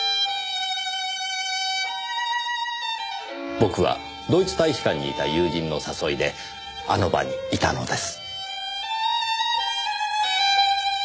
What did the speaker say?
僕はドイツ大使館にいた友人の誘いであの場にいたのです。